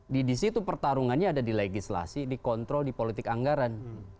di situ pertarungannya ada di legislasi dikontrol di politik anggaran